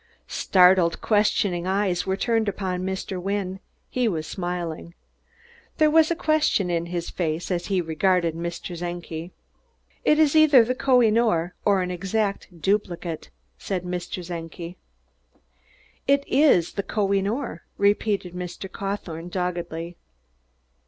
Startled, questioning eyes were turned upon Mr. Wynne; he was smiling. There was a question in his face as he regarded Mr. Czenki. "It is either the Koh i noor or an exact duplicate," said Mr. Czenki. "It is the Koh i noor," repeated Mr. Cawthorne doggedly.